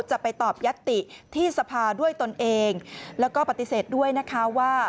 จะไปตอบยัตติที่สภาด้วยตนเองแล้วก็ปฏิเสธด้วยนะคะว่า